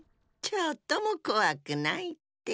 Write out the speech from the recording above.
ちょっともこわくないって。